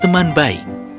mereka berteman baik